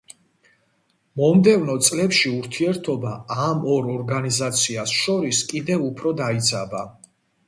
მომდევნო წლებში ურთიერთობა ამ ორ ორგანიზაციას შორის კიდევ უფრო დაიძაბა.